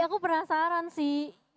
aku penasaran sih